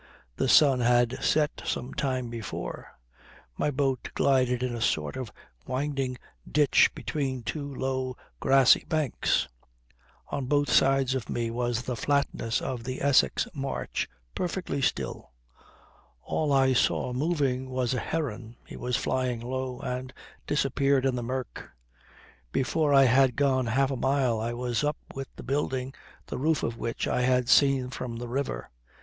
The sun had set some time before; my boat glided in a sort of winding ditch between two low grassy banks; on both sides of me was the flatness of the Essex marsh, perfectly still. All I saw moving was a heron; he was flying low, and disappeared in the murk. Before I had gone half a mile, I was up with the building the roof of which I had seen from the river.